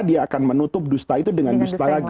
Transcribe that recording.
dia akan menutup dusta itu dengan dusta lagi